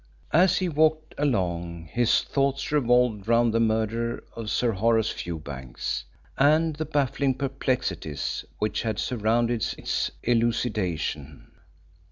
As he walked along his thoughts revolved round the murder of Sir Horace Fewbanks, and the baffling perplexities which had surrounded its elucidation.